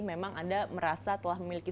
memang anda merasa telah memiliki